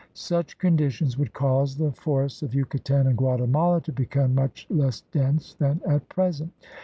Such conditions would cause the for ests of Yucatan and Guatemala to become much less dense than at present.